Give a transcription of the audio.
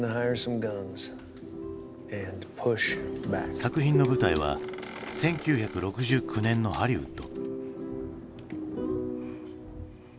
作品の舞台は１９６９年のハリウッド。